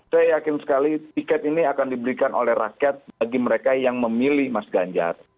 saya yakin sekali tiket ini akan diberikan oleh rakyat bagi mereka yang memilih mas ganjar